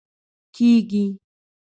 کیږي